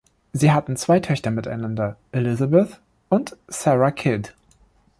Sie hatten zwei Töchter miteinander: Elizabeth und Sarah Kidd.